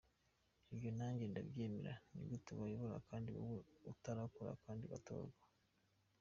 ibyo nanjye ndabyemera nigute wayobora kandi wowe udatora kandi ugatorwa.